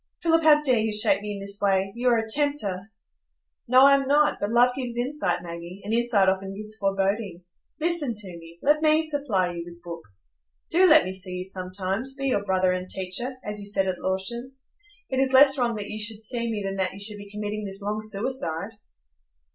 "Philip, how dare you shake me in this way? You are a tempter." "No, I am not; but love gives insight, Maggie, and insight often gives foreboding. Listen to me,—let me supply you with books; do let me see you sometimes,—be your brother and teacher, as you said at Lorton. It is less wrong that you should see me than that you should be committing this long suicide."